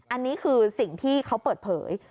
อันนี้คือสิ่งที่เขาเปิดเผย